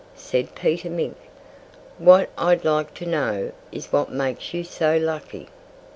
said Peter Mink. "What I'd like to know is what makes you so lucky?"